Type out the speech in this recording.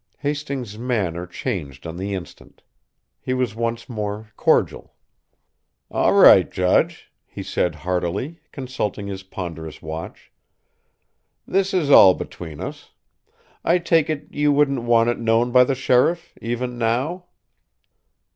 Hastings' manner changed on the instant. He was once more cordial. "All right, judge!" he said heartily, consulting his ponderous watch. "This is all between us. I take it, you wouldn't want it known by the sheriff, even now?"